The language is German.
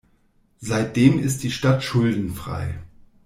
Seitdem ist die Stadt schuldenfrei.